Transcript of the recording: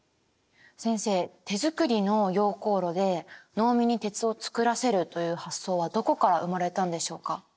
先生手作りの溶鉱炉で農民に鉄を作らせるという発想はどこから生まれたんでしょうか？